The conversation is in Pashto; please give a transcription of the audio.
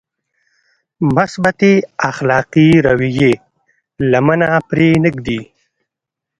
مثبتې اخلاقي رويې لمنه پرې نهږدي.